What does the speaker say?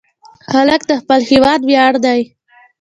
هلک د خپل هېواد ویاړ دی.